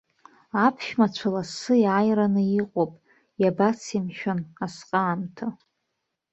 Аԥшәмацәа лассы иааираны иҟоуп, иабацеи, мшәан, асҟаамҭа.